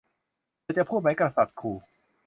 เธอจะพูดไหม กษัตริย์ขู่